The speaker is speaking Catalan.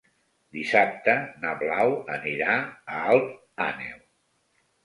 Dissabte na Blau anirà a Alt Àneu.